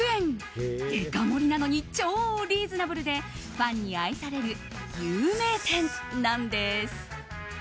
デカ盛りなのに超リーズナブルでファンに愛される有名店なんです。